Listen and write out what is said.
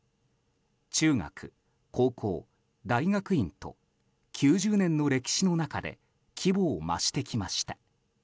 中学、高校、大学院と９０年の歴史の中で規模を増してきました。